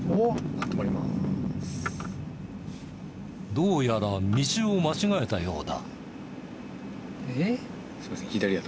どうやら道を間違えたようだ。